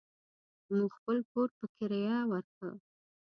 مو خپل کور په کريه وارکه.